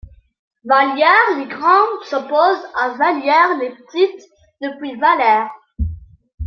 Vallières les Grandes s'oppose à Vallières les Petites, depuis Valaire.